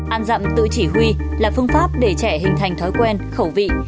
ăn dặm tự chỉ huy là phương pháp để trẻ hình thành thói quen khẩu vị